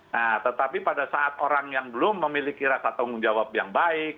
nah tetapi pada saat orang yang belum memiliki rasa tanggung jawab yang baik